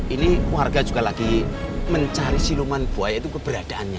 ini warga juga lagi mencari siluman buaya itu keberadaannya